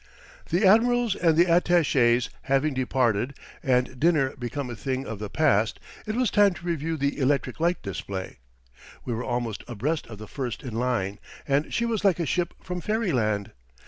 The admirals and the attachés having departed and dinner become a thing of the past, it was time to review the electric light display. We were almost abreast of the first in line, and she was like a ship from fairyland.